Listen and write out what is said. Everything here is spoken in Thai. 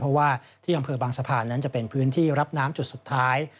เพราะว่าที่อำเภอบางสะพานนั้นจะเป็นพื้นที่รับน้ำจุดสุดท้าย